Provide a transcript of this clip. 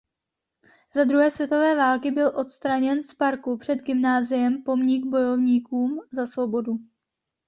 Za druhé světové války byl odstraněn z parku před gymnáziem pomník bojovníkům za svobodu.